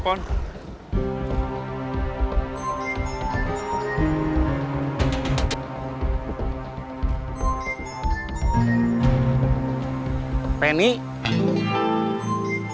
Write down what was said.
hubungigul ke luar generasi